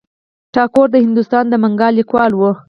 ټاګور د هندوستان د بنګال لیکوال و.